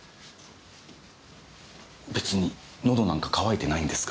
別に喉なんか渇いてないんですが。